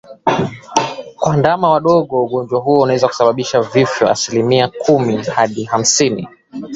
Kwa ndama wadogo ugonjwa huu unaweza kusababisha vifo kwa asilimia kumi hadi hamsini